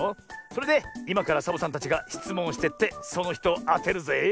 それでいまからサボさんたちがしつもんをしてってそのひとをあてるぜ。